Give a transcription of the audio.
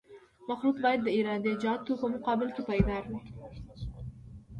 مخلوط باید د عراده جاتو په مقابل کې پایدار وي